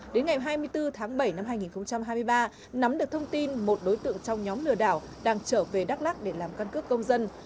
đến ngày hai mươi bốn tháng bảy năm hai nghìn hai mươi ba nắm được thông tin một đối tượng trong nhóm lừa đảo đang trở về đắk lắc để làm căn cước công dân